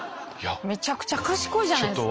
めちゃくちゃ賢いじゃないですか。